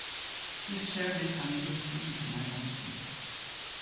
Kircher laisse un mégaphone de son invention.